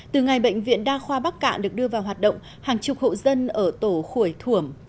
từ ngày bệnh viện đa khoa bắc cạn được đưa vào hoạt động hàng chục hộ dân ở tổ khuổi thung